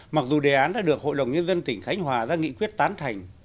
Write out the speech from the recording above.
mặc dù đề án đã được hội đồng nhân dân tỉnh khánh hòa ra nghị quyết tán thành